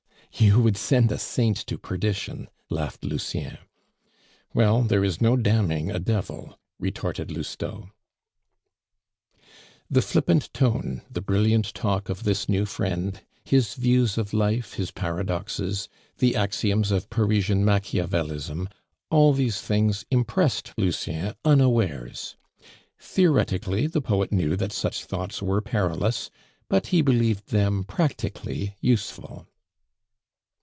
"You would send a saint to perdition," laughed Lucien. "Well, there is no damning a devil," retorted Lousteau. The flippant tone, the brilliant talk of this new friend, his views of life, his paradoxes, the axioms of Parisian Machiavelism, all these things impressed Lucien unawares. Theoretically the poet knew that such thoughts were perilous; but he believed them practically useful.